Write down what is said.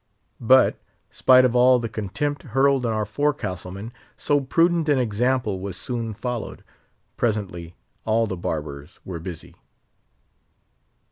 But, spite of all the contempt hurled on our forecastle man, so prudent an example was soon followed; presently all the barbers were busy.